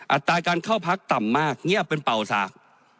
อตการเข้าพักต่ำมากเงียบเป็นเป่าสาก